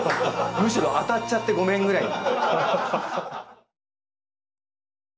むしろ当たっちゃってごめんぐらいの。